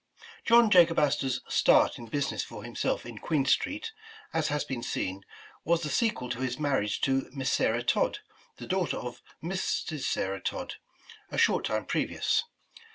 JOHN Jacob Astor's start in business lor himself in Queen Street, as has been seen, was the sequel to his marriage to Miss Sarah Todd, the daughter of Mrs. Sarah Todd, a short time previous.